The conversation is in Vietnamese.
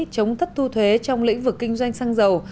chống thất thu thuế trong lĩnh vực kinh doanh xăng dầu